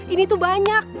ini tuh banyak